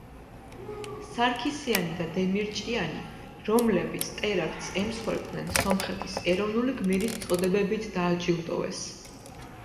სარქისიანი და დემირჭიანი, რომლებიც ტერაქტს ემსხვერპლნენ სომხეთის ეროვნული გმირის წოდებებით დააჯილდოვეს.